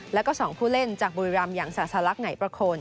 แล้วก็สองผู้เล่นจากบุริรัมย์อย่างสาธารักษ์ไหนประคล